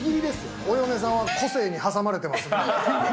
およねさんは個性に挟まれてますね。